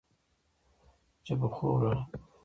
ښوونې او روزنې حق هر څوک لري.